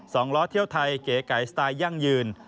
สองล้อเที่ยวไทยเก๋ไก่สไตล์ยั่งยืน